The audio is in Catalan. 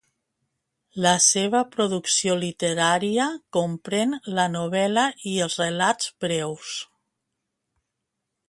La seva producció literària comprèn la novel·la i els relats breus.